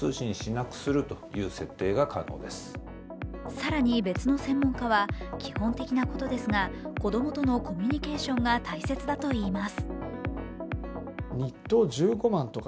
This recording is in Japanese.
更に、別の専門家は基本的なことですが、子供とのコミュニケーションが大切だといいます。